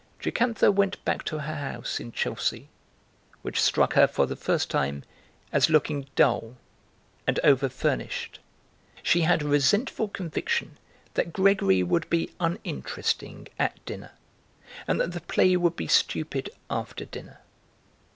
Jocantha went back to her house in Chelsea, which struck her for the first time as looking dull and over furnished. She had a resentful conviction that Gregory would be uninteresting at dinner, and that the play would be stupid after dinner.